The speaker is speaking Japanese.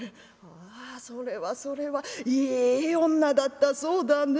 「ああそれはそれはいい女だったそうだね」。